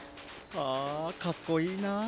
あかっこいいな。